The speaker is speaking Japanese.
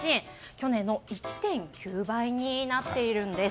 去年の１．９倍になっているんです。